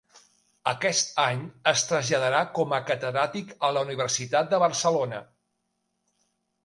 Aquest any es traslladà com a catedràtic a la Universitat de Barcelona.